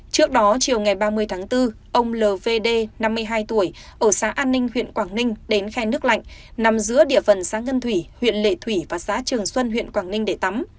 trước đó chiều ngày ba mươi tháng bốn ông lvd năm mươi hai tuổi ở xã an ninh huyện quảng ninh đến khe nước lạnh nằm giữa địa phần xã ngân thủy huyện lệ thủy và xã trường xuân huyện quảng ninh để tắm